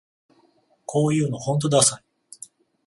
こういうのほんとダサい